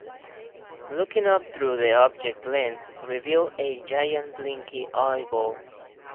Looking up through the objective lens revealed a giant blinking eyeball.